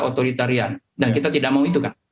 otoritarian dan kita tidak mau itu kan